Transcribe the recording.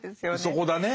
そこだね。